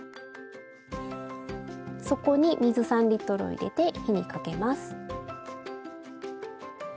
そこに水３を入れて火にかけます。